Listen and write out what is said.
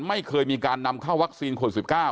ไม่เคยมีการนำเข้าวัคซีนคน๑๙